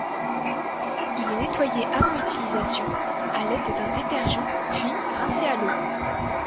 Il est nettoyé avant utilisation à l'aide d'un détergent puis rincé à l'eau.